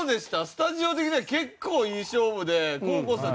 スタジオ的には結構いい勝負で黄皓さん